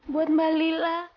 buat mbak lila